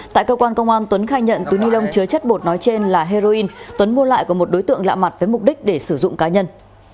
tại cơ quan công an tuấn khai nhận túi ni lông chứa chất bột nói trên là heroin tuấn mua lại của một đối tượng lạ mặt với mục đích để sử dụng cá nhân